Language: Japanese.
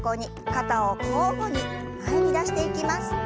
肩を交互に前に出していきます。